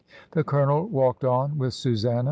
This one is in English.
The Colonel walked on with Susanna.